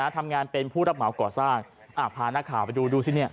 ทำงานเป็นผู้รับเหมาก่อสร้างพานักข่าวไปดูดูสิเนี่ย